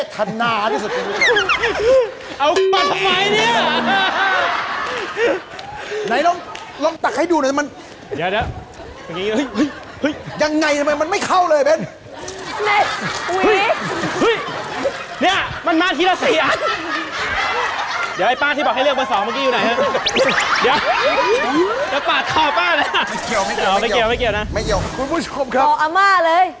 คือคุณเบนคุณฝ้าย